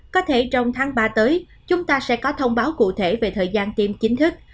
có thể trong tháng ba tới chúng ta sẽ có thông báo cụ thể về thời gian tiêm chính thức